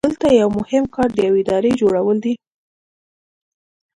دلته یو مهم کار د یوې ادارې جوړول دي.